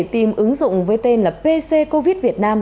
tìm ứng dụng với tên là pc covid việt nam